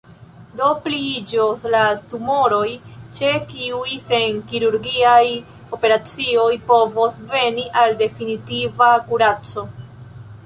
Do pliiĝos la tumoroj, ĉe kiuj sen kirurgia operacio povos veni al definitiva kuraco.